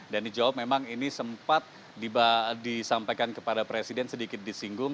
dan dijawab memang ini sempat disampaikan kepada presiden sedikit disinggung